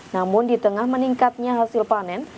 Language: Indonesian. namun di tengah meningkatnya hasil panen